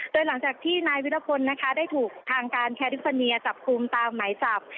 โดยหลังจากที่นายวิรพลนะคะได้ถูกทางการแคริฟอร์เนียจับกลุ่มตามหมายจับ